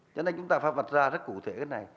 cho nên chúng ta phải vặt ra rất cụ thể cái này